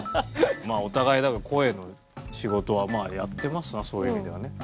まあお互い声の仕事はまあやってますなそういう意味ではね。